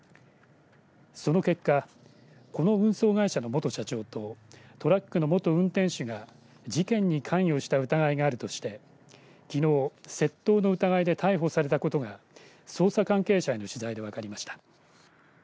その結果、この運送会社の元社長とトラックの元運転手が事件に関与した疑いがあるとしてきのう窃盗の疑いで逮捕されたことが捜査関係者への取材で分かりました。